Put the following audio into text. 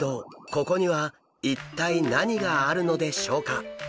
ここには一体何があるのでしょうか？